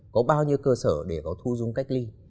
có bao nhiêu cơ sở để có thu dung cách ly